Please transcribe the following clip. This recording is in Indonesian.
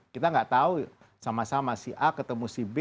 kita nggak tahu sama sama si a ketemu si b